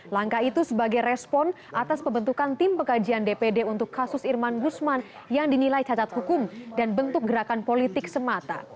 langkah itu sebagai respon atas pembentukan tim pekajian dpd untuk kasus irman gusman yang dinilai cacat hukum dan bentuk gerakan politik semata